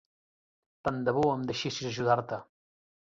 Tant de bo em deixessis ajudar-te.